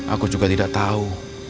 aku juga tidak tahu